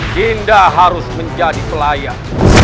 dinda harus menjadi pelayan